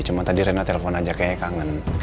cuma tadi rena telepon aja kayaknya kangen